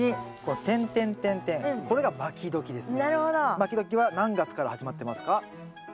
まきどきは何月から始まってますか？